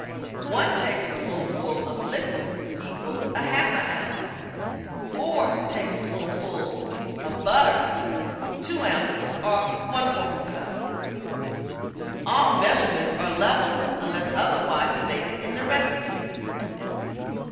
One tablespoonful of liquid equals 1/2 ounce. Four tablespoonfuls of butter equal 2 ounces or 1/4 cup. All measurements are level unless otherwise stated in the recipe.